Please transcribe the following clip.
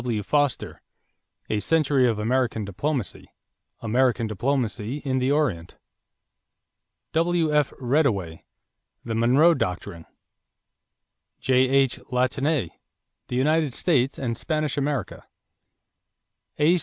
W. Foster, A Century of American Diplomacy; American Diplomacy in the Orient. W.F. Reddaway, The Monroe Doctrine. J.H. Latané, The United States and Spanish America. A.